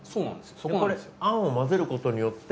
そこで餡を混ぜることによって。